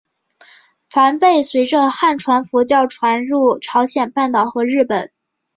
梵呗随着汉传佛教传入朝鲜半岛和日本。